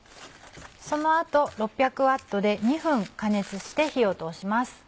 その後６００Ｗで２分加熱して火を通します。